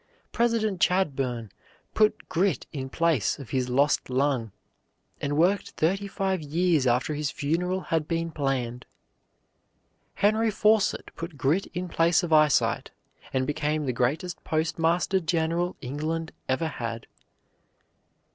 President Chadbourne put grit in place of his lost lung, and worked thirty five years after his funeral had been planned. Henry Fawcett put grit in place of eyesight, and became the greatest Postmaster General England ever had.